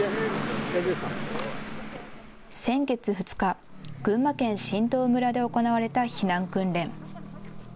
先月２日、群馬県榛東村で行われた避難訓練。